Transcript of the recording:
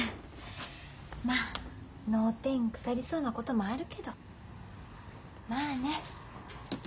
まあ脳天腐りそうなこともあるけどまあね。